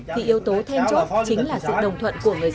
thì yếu tố then chốt chính là sự đồng thuận của người dân